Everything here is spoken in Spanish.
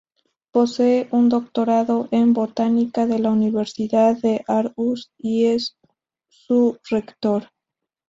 Posee un doctorado en botánica de la Universidad de Aarhus, y es su rector.